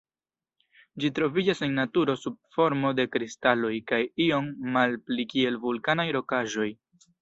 Ĝi troviĝas en naturo sub formo de kristaloj kaj iom malpli kiel vulkanaj rokaĵoj.